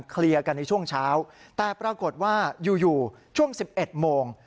เคลียร์กันในช่วงเช้าแต่ปรากฏว่ายูยูช่วงสิบเอ็ดโมง